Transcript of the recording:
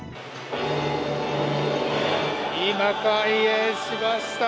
今、開園しました。